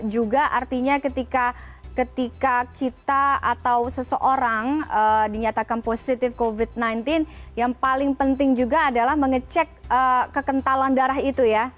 juga artinya ketika kita atau seseorang dinyatakan positif covid sembilan belas yang paling penting juga adalah mengecek kekentalan darah itu ya